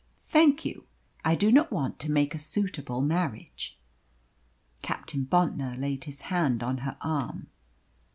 "Thank you; I do not want to make a suitable marriage." Captain Bontnor laid his hand on her arm.